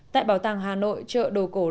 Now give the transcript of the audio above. tại bảo tàng hà nội chợ đồ cổ đà nẵng